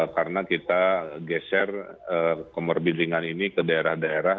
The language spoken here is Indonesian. karena kita geser comorbid ringan ini ke daerah daerah